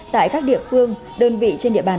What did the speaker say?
tại các địa phương đơn vị trên địa bàn